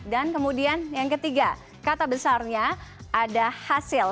dan kemudian yang ketiga kata besarnya ada hasil